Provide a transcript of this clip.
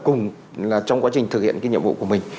cùng là trong quá trình thực hiện cái nhiệm vụ của mình